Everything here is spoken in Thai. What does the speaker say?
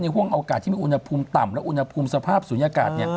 ห่วงโอกาสที่มีอุณหภูมิต่ำและอุณหภูมิสภาพศูนยากาศ